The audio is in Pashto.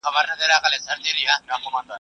دا زندان ډېر کرغېړن کېږي ؟